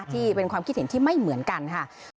ที่เป็นความคิดเห็นที่ไม่เหมือนกันค่ะ